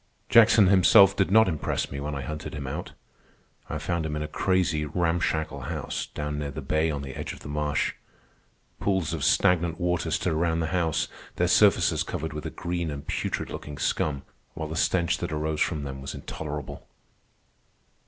Jackson himself did not impress me when I hunted him out. I found him in a crazy, ramshackle house down near the bay on the edge of the marsh. Pools of stagnant water stood around the house, their surfaces covered with a green and putrid looking scum, while the stench that arose from them was intolerable.